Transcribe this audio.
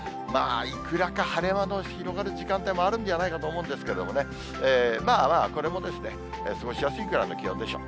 いくらか晴れ間の広がる時間帯もあるんじゃないかと思うんですけれどもね、まあまあこれもですね、過ごしやすいくらいの気温でしょう。